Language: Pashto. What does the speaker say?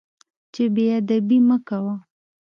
چې بې ادبي مه کوه.